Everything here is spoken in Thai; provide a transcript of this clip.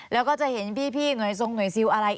แล้วก็จะเห็นพี่หน่วยทรงหน่วยซิลอะไร